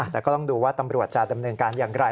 แต่ก็ต้องดูว่าตำรวจจะดำเนินการอย่างไร